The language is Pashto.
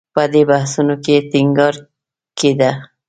په دې بحثونو کې ټینګار کېده